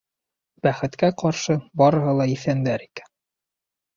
Бәхеткә ҡаршы, барыһы ла иҫәндәр икән.